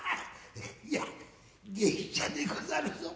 いや芸者でござるぞ。